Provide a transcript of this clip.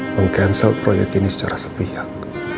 meng cancel proyek ini secara sepihak